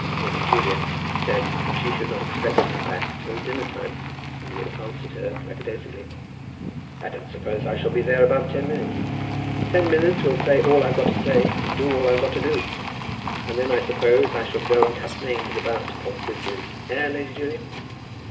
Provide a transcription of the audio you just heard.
Lady Julia had said that she should not expect him back till dinner time, and he had answered her lackadaisically, "I don't suppose I shall be there above ten minutes. Ten minutes will say all I've got to say, and do all I've got to do. And then I suppose I shall go and cut names about upon bridges, eh, Lady Julia?"